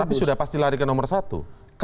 tapi sudah pasti lari ke nomor satu